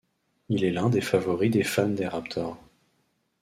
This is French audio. Il est l'un des favoris des fans des Raptors.